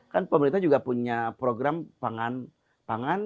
kan pemerintah juga punya program pangan